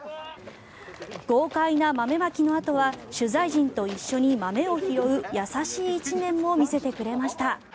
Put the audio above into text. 豪快な豆まきのあとは取材陣と一緒に豆を拾う優しい一面も見せてくれました。